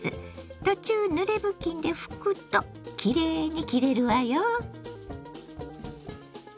途中ぬれ布巾で拭くときれいに切れるわよ。